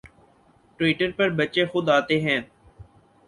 Twitter پر بچے خود آتے ہیں